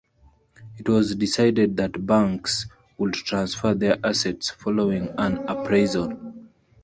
It was decided that banks would transfer their assets following an appraisal.